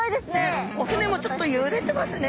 お船もちょっとゆれてますね。